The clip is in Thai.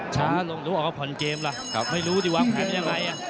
ช้าลงรู้ออกว่าผ่อนเกมล่ะไม่รู้ดีว่าแผนมันยังไง